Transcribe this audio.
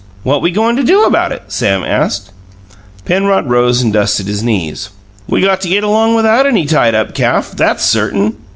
"What we goin' to do about it?" Sam asked. Penrod rose and dusted his knees. "We got to get along without any tied up calf that's certain!